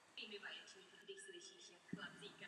Pod jejich vedením postupně klub stoupal tabulkou.